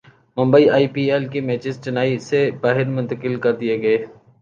Mumbai I P L کے matches Chennai سے باہر منتقل کر دیئے گئے